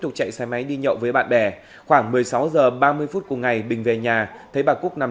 tục chạy xe máy đi nhậu với bạn bè khoảng một mươi sáu h ba mươi phút cùng ngày bình về nhà thấy bà cúc nằm